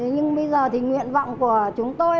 nhưng bây giờ thì nguyện vọng của chúng tôi